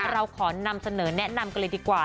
เราขอนำเสนอแนะนำกันเลยดีกว่า